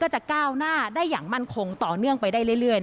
จะก้าวหน้าได้อย่างมั่นคงต่อเนื่องไปได้เรื่อย